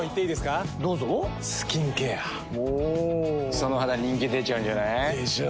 その肌人気出ちゃうんじゃない？でしょう。